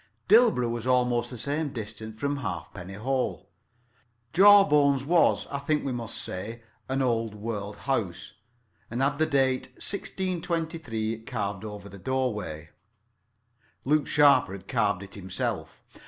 Dilborough was almost the same distance from Halfpenny Hole. Jawbones was, I think we must say, an old world house, and had the date 1623 carved over the doorway. Luke Sharper had carved it himself.